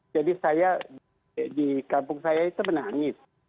jadi saya di kampung saya itu menangis